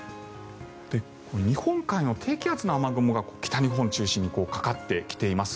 日本海の低気圧の雨雲が北日本中心にかかってきています。